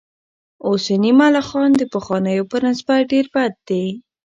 اوسني ملخان د پخوانیو په نسبت ډېر بد دي.